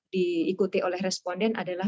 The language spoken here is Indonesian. diikuti oleh responden adalah